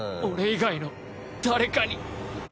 俺以外の誰かに。